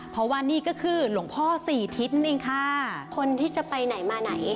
เพราะว่านี่ก็คือหลวงพ่อสี่ทิศนั่นเองค่ะคนที่จะไปไหนมาไหน